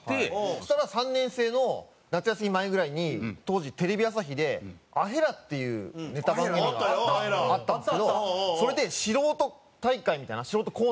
そしたら３年生の夏休み前ぐらいに当時テレビ朝日で『ＡＨＥＲＡ』っていうネタ番組が。あったよ『ＡＨＥＲＡ』！それで素人大会みたいな素人コーナーがあって。